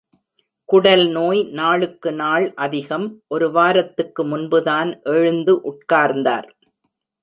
குடல் நோய் நாளுக்கு நாள் அதிகம், ஒரு வாரத்துக்கு முன்புதான் எழுந்து உட்கார்ந்தார்.